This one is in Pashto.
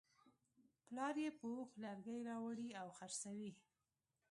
پلار یې په اوښ لرګي راوړي او خرڅوي.